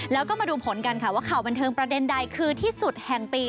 แล้วก็มาดูผลกันค่ะว่าข่าวบันเทิงประเด็นใดคือที่สุดแห่งปี